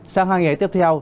sáng hai ngày tiếp theo